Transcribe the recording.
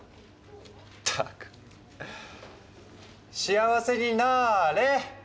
ったく幸せになれ！